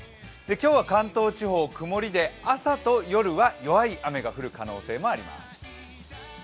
今日は関東地方曇りで朝と夜と弱い雨が降る可能性があります。